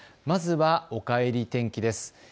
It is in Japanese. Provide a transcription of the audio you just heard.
まずはおかえり天気です。